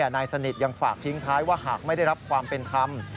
นายสนิทยังฝากทิ้งท้ายว่าหากไม่ได้รับความเป็นธรรม